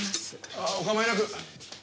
ああお構いなく。